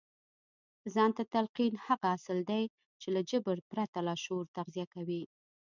ځان ته تلقين هغه اصل دی چې له جبر پرته لاشعور تغذيه کوي.